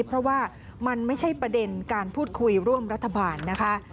เพราะว่ามันไม่ใช่ประเด็นการพูดคุยร่วมรัฐบาลนะคะ